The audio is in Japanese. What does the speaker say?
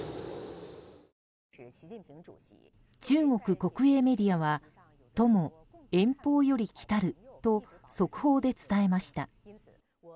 中国国営メディアは「朋遠方より来る」と速報で伝えました。